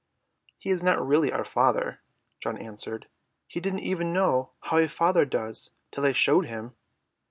"He is not really our father," John answered. "He didn't even know how a father does till I showed him."